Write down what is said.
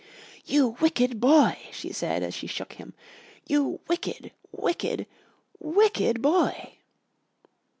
"You wicked boy!" she said as she shook him, "you wicked, wicked, wicked boy!"